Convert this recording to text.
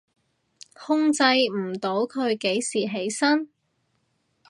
控制唔到佢幾時起身？